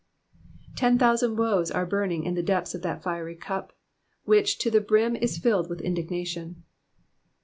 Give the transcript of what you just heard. '' Ten thousand woes are burning in the depths of that fiery cup, which to the brim is filled with indignation.